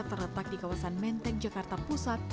terletak di kawasan menteng jakarta pusat